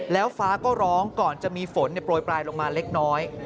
แล้วฟ้าก็ร้องก่อนจะมีฝนโปรยปลายลงมาเล็กน้อย